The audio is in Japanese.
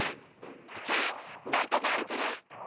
じゃあバイトがあるから。